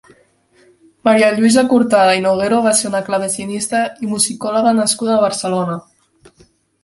Maria Lluïsa Cortada i Noguero va ser una clavecinista i musicòloga nascuda a Barcelona.